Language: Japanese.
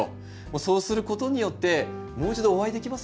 そうすることによってもう一度お会いできますよね。